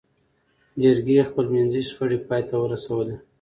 جرګې خپلمنځي شخړې پای ته ورسولې.